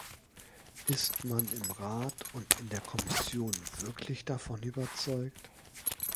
Ist man im Rat und in der Kommission wirklich davon überzeugt?